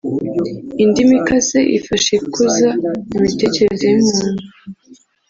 Indimu ikase ifasha ikuza imitekerereze y’umuntu